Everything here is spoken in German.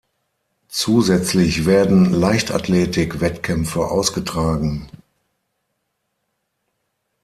Zusätzlich werden Leichtathletik-Wettkämpfe ausgetragen.